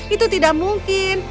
itu tidak mungkin